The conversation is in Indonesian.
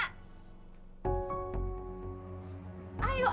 lama banget sih